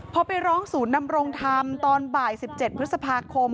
พอไปร้องศูนย์นำรงธรรมตอนบ่าย๑๗พฤษภาคม